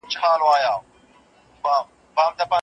ولي مدام هڅاند د با استعداده کس په پرتله ډېر مخکي ځي؟